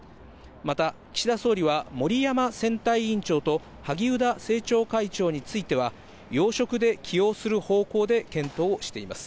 また、岸田総理は森山選対委員長と萩生田政調会長については、要職で起用する方向で検討をしています。